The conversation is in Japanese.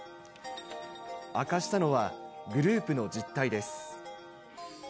明かしたのは、グループの実態です。